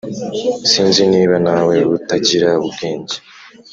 Sinz niba nawe utagira ubwenge